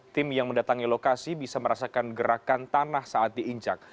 tim yang mendatangi lokasi bisa merasakan gerakan tanah saat diinjak